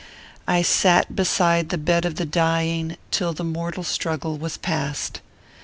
I sat beside the bed of the dying till the mortal struggle was past.